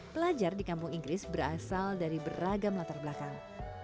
pelajar di kampung inggris berasal dari beragam latar belakang